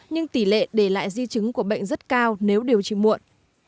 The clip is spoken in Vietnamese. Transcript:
nhưng tỷ lệ để lại di chứng của bệnh rất cao nếu điều trị muộn